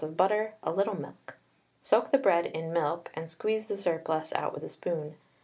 of butter, a little milk. Soak the bread in milk, and squeeze the surplus out with a spoon.